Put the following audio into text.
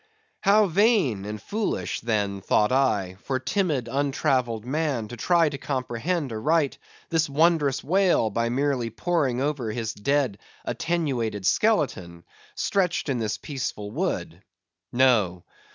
How vain and foolish, then, thought I, for timid untravelled man to try to comprehend aright this wondrous whale, by merely poring over his dead attenuated skeleton, stretched in this peaceful wood. No.